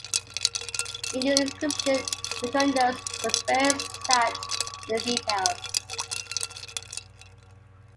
In this inscription, Iucundus was very exact in the details.